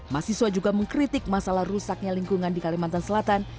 mahasiswa juga mengkritik masalah rusaknya lingkungan di kalimantan selatan